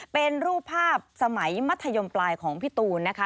เป็นรูปภาพสมัยมัธยมปลายของพี่ตูนนะคะ